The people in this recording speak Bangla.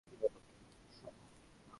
বিনয়ের পক্ষে এ কি অসম্ভব?